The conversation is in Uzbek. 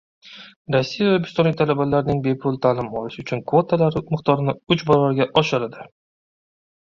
Rossiya o‘zbekistonlik talabalarning bepul ta'lim olishi uchun kvotalar miqdorini uch barobarga oshiradi